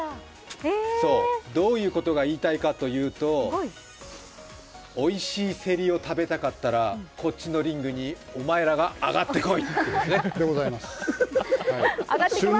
どういうことが言いたいかというと、おいしいセリを食べたかったらこっちのリングにお前らが上がってこい。